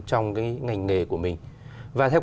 trong cái ngành nghề của mình và theo